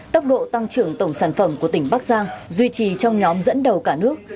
tốc độ tăng trưởng tổng sản phẩm của tỉnh bắc giang duy trì trong nhóm dẫn đầu cả nước